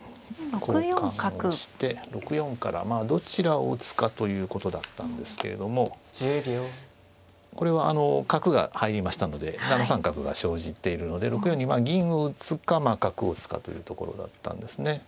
交換をして６四からまあどちらを打つかということだったんですけれどもこれは角が入りましたので７三角が生じているので６四に銀を打つか角を打つかというところだったんですね。